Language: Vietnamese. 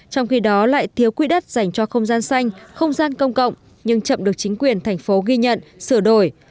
trong khi đó lại thiếu quỹ đất dành cho không gian xanh không gian công cộng nhưng chậm được chính quyền thành phố ghi nhận sửa đổi